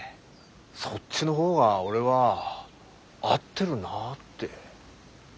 そっちの方が俺は合ってるなって。